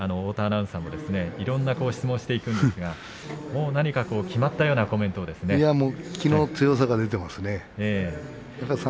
こうやって太田アナウンサーもいろんな質問をしていくんですがもう何か決まったようないやあ、もう気の強さが出ていますね。